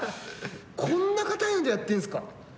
こんな硬いのでやってんすか。